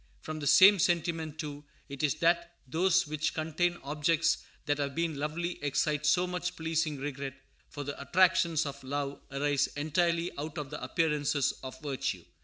From the same sentiment, too, it is that those which contain objects that have been lovely excite so much pleasing regret; for the attractions of love arise entirely out of the appearances of virtue.